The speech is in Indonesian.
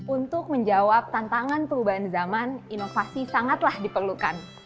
untuk menjawab tantangan perubahan zaman inovasi sangatlah diperlukan